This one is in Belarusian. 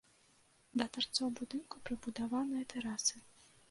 Да тарцоў будынку прыбудаваныя тэрасы.